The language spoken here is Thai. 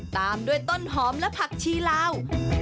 ตามด้วยต้นหอมและผักชีลาว